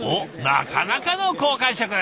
なかなかの好感触！